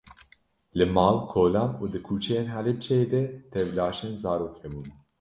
Li mal, kolan û di kuçeyên Helepçê de tev laşên zarok hebûn.